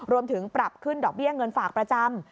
รวมถึงปรับขึ้นดอกเบี้ยเงินฝากประจำ